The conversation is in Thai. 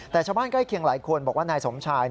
แต่ชาวบ้านใกล้เคียงหลายคนบอกว่านายสมชาย